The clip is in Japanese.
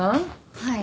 はい。